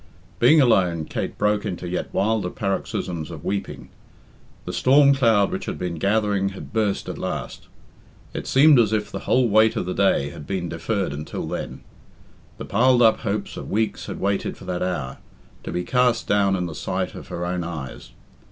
Being alone, Kate broke into yet wilder paroxysms of weeping. The storm cloud which had been gathering had burst at last. It seemed as if the whole weight of the day had been deferred until then. The piled up hopes of weeks had waited for that hour, to be cast down in the sight of her own eyes.